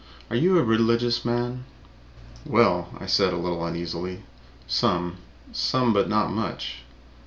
Are you a religious man?" "Well," I said, a little uneasily, "some. Some, but not much."